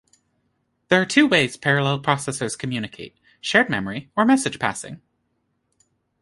There are two ways parallel processors communicate, shared memory or message passing.